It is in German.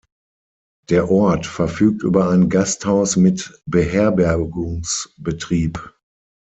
Der Ort verfügt über ein Gasthaus mit Beherbergungsbetrieb.